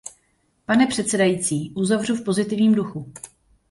Pane předsedající, uzavřu v pozitivním duchu.